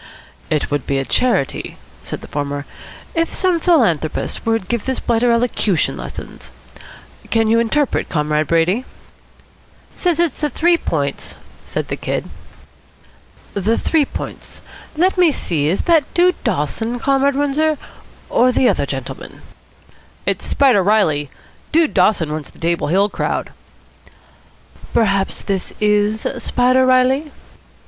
"It would be a charity," said the former, "if some philanthropist would give this blighter elocution lessons. Can you interpret, Comrade Brady?" "Says it's the Three Points," said the Kid. "The Three Points? Let me see, is that Dude Dawson, Comrade Windsor, or the other gentleman?" "It's Spider Reilly. Dude Dawson runs the Table Hill crowd." "Perhaps this is Spider Reilly?"